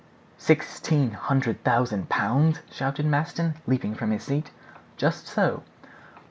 "Sixteen hundred thousand pounds?" shouted Maston, leaping from his seat. "Just so."